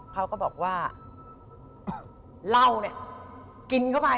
เขาก็บอกว่าเหล้าเนี่ยกินเข้าไป